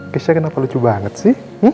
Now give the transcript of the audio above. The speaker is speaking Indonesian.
kisnya kenapa lucu banget sih